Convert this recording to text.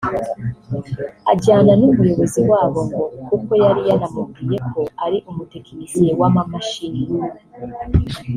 ajyana n’umuyobozi wabo ngo kuko yari yanamubwiye ko ari umutekinisiye w’amamashini